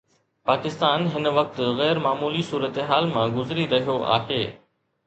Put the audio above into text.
پاڪستان هن وقت غير معمولي صورتحال مان گذري رهيو آهي.